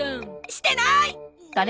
してなーい！